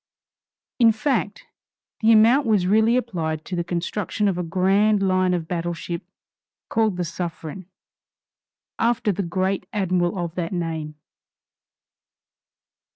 In fact, the amount was really applied to the construction of a grand line of battle ship called the Suffren, after the great Admiral of that name.